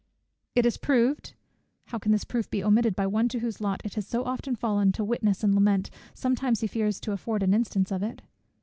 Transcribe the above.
It is proved (how can this proof be omitted by one to whose lot it has so often fallen to witness and lament, sometimes he fears to afford an instance of it?)